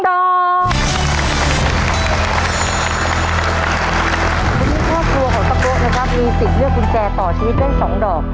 ตอนนี้ครอบครัวของตะโกะนะครับมีสิทธิ์เลือกกุญแจต่อชีวิตได้๒ดอก